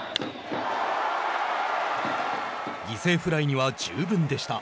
犠牲フライには十分でした。